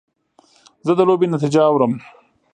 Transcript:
زه د لوبې نتیجه اورم.